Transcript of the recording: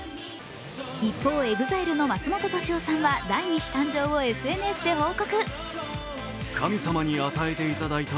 一方、ＥＸＩＬＥの松本利夫さんは第２子誕生をＳＮＳで報告。